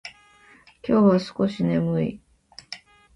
今日は少し眠い。